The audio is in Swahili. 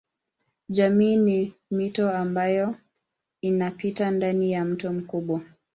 Jamii ni mito ambayo inapita ndani ya mto mkubwa.